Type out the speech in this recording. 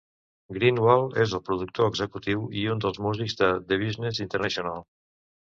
Greenwald és el productor executiu i un dels músics de The Business International.